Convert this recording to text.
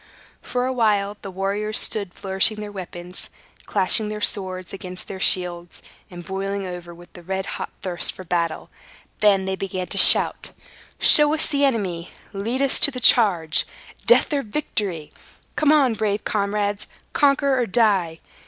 For a while, the warriors stood flourishing their weapons, clashing their swords against their shields, and boiling over with the red hot thirst for battle. Then they began to shout "Show us the enemy! Lead us to the charge! Death or victory!" "Come on, brave comrades! Conquer or die!"